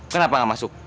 kenapa nggak masuk